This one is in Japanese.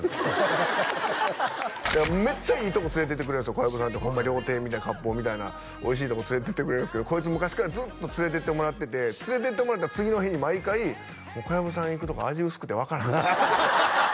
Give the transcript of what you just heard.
小籔さんってホンマ料亭みたいな割烹みたいなおいしいとこ連れていってくれるんすけどこいつ昔からずっと連れていってもらってて連れていってもらった次の日に毎回「小籔さんが行くとこ味薄くて分からん」